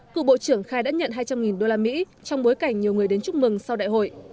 cựu bộ trưởng khai đã nhận hai trăm linh đô la mỹ trong bối cảnh nhiều người đến chúc mừng sau đại hội